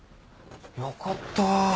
よかった。